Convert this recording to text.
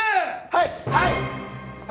はい！